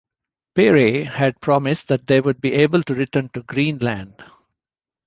Peary had promised that they would be able to return to Greenland.